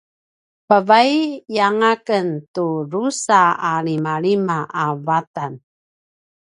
pavaiyanga ken tu drusa a limalima a vatan